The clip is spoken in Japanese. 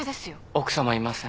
奥さまいません。